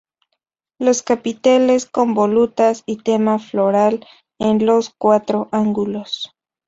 Los capiteles con volutas y tema floral en los cuatro ángulos.